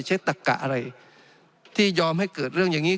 ตะกะอะไรที่ยอมให้เกิดเรื่องอย่างนี้